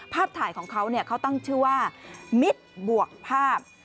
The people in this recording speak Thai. ถ่ายของเขาเขาตั้งชื่อว่ามิตรบวกภาพ